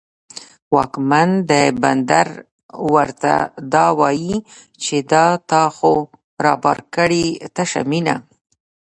واکمن د بندر ورته دا وايي، چې دا تا خو رابار کړې تشه مینه